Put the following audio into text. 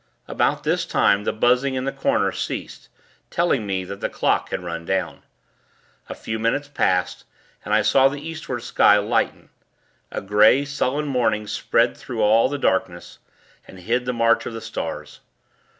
About this time, the buzzing in the corner ceased; telling me that the clock had run down. A few minutes passed, and I saw the Eastward sky lighten. A grey, sullen morning spread through all the darkness, and hid the march of the stars.